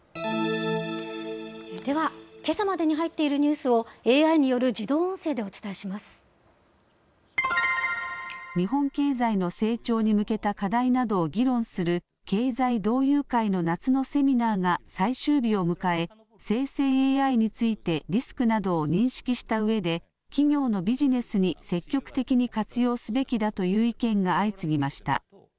では、けさまでに入っているニュースをＡＩによる自動音声で日本経済の成長に向けた課題などを議論する、経済同友会の夏のセミナーが最終日を迎え、生成ＡＩについてリスクなどを認識したうえで、企業のビジネスに積極的に活用すべきだという意見が相次ぎました。